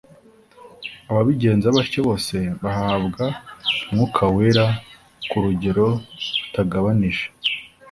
Ababigenza batyo bose bahabwa Mwuka Wera ku rugero rutagabanije.